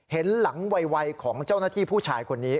เห็นหลังวัยของเจ้าหน้าที่ผู้ชายคนนี้